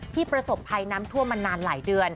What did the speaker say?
ประสบภัยน้ำท่วมมานานหลายเดือน